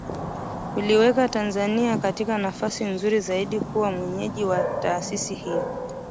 uliiweka Tanzania katika nafasi nzuri zaidi kuwa mwenyeji wa taasisi hiyo